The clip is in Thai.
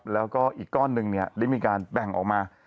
แล้วก็อีกก้อนหนึ่งได้มีการแบ่งออกมา